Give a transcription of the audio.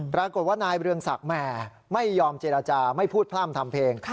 ปรากฏว่านายเรืองศักดิ์แหมไม่ยอมเจรจาไม่พูดพร่ำทำเพลง